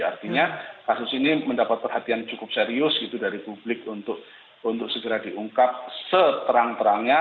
artinya kasus ini mendapat perhatian cukup serius gitu dari publik untuk segera diungkap seterang terangnya